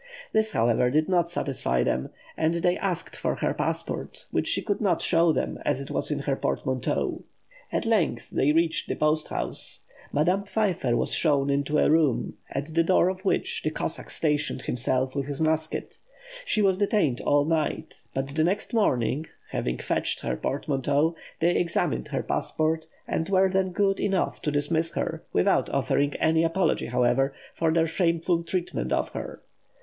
This, however, did not satisfy them, and they asked for her passport, which she could not show them, as it was in her portmanteau. At length they reached the post house. Madame Pfeiffer was shown into a room, at the door of which the Cossack stationed himself with his musket. She was detained all night; but the next morning, having fetched her portmanteau, they examined her passport, and were then good enough to dismiss her, without offering any apology, however, for their shameful treatment of her.